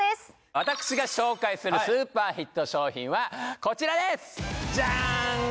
私が紹介する超ヒット商品はこちらですジャーン！